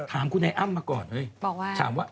ถามคุณไอ้อ้ำมาก่อนเฮ้ยถามว่าบอกว่า